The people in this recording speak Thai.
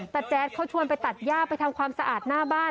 แต่แจ๊ดเขาชวนไปตัดย่าไปทำความสะอาดหน้าบ้าน